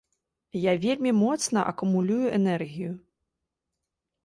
Я вельмі моцна акумулюю энергію.